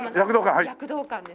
躍動感です。